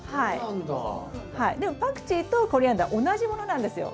でもパクチーとコリアンダー同じものなんですよ。